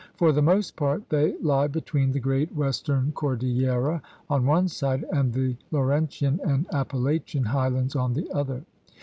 For the most part they lie between the great west ern Cordillera on one side and the Laurentian and Appalachian highlands on the other.